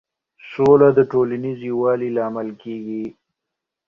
سوله د ټولنیز یووالي لامل کېږي.